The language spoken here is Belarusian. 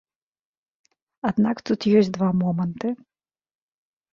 Аднак тут ёсць два моманты.